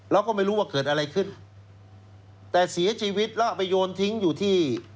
เราก็ไม่รู้ว่าเกิดอะไรขึ้นแต่เสียชีวิตแล้วเอาไปโยนทิ้งอยู่ที่